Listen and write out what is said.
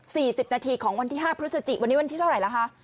สิบนาทีของวันที่ห้าพฤศจิวันนี้วันที่เท่าไหร่ล่ะคะ